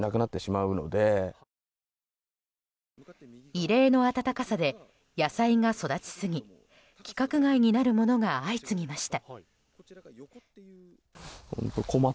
異例の暖かさで野菜が育ちすぎ規格外になるものが相次ぎました。